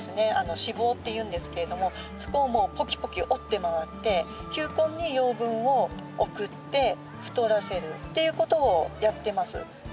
「子房」っていうんですけれどもそこをポキポキ折って回って球根に養分を送って太らせるっていうことをやってます。